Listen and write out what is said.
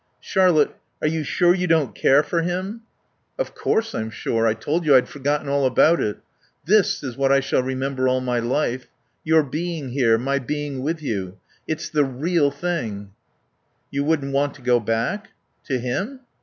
"Charlotte are you sure you don't care for him?" "Of course I'm sure. I told you I'd forgotten all about it. This is what I shall remember all my life. Your being here, my being with you. It's the real thing." "You wouldn't want to go back?" "To him?"